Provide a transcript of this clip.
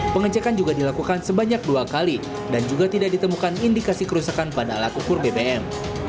pengecekan juga dilakukan sebanyak dua kali dan juga tidak ditemukan indikasi kerusakan pada alat ukur bbm